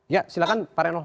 ya silahkan pak renol